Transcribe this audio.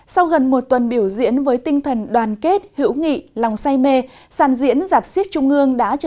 sau gần một tuần biểu diễn với tinh thần đoàn kết hữu nghị lòng say mê sàn diễn giảp siết trung ương